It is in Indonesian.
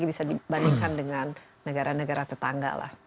bisa dibandingkan dengan negara negara tetangga lah